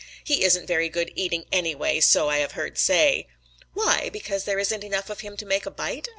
He isn't very good eating, anyway, so I have heard say." "Why? Because there isn't enough of him to make a bite?"